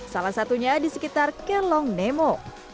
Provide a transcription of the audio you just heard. salah satunya di sekitar kelong nemo